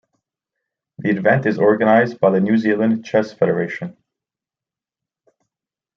The event is organised by the New Zealand Chess Federation.